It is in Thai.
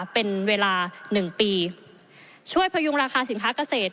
เป็นเวลา๑ปีช่วยพยุงราคาสินค้าเกษตร